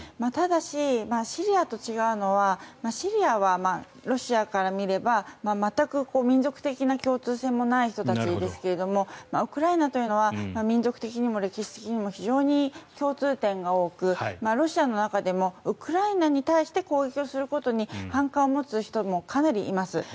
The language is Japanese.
ただし、シリアと違うのはシリアはロシアから見れば全く民族的な共通性もない人たちですがウクライナというのは民族的にも歴史的にも非常に共通点が多くロシアの中でもウクライナに対して攻撃をすることに反感を持つ人もかなりいます。